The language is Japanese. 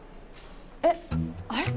えっあれ？